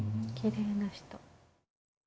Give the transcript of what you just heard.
きれいな人。